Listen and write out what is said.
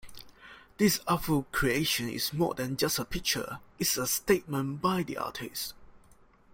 This artful creation is more than just a picture, it's a statement by the artist.